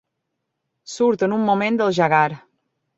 Surten un moment del Jaggar.